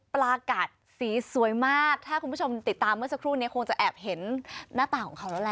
ปลากัดสีสวยมากถ้าคุณผู้ชมติดตามเมื่อสักครู่นี้คงจะแอบเห็นหน้าตาของเขาแล้วล่ะ